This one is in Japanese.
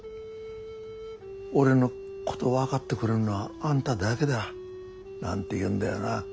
「俺のことを分かってくれるのはあんただけだ」なんて言うんだよな。